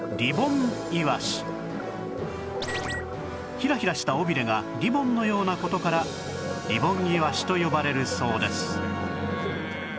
ヒラヒラした尾びれがリボンのような事からリボンイワシと呼ばれるそうです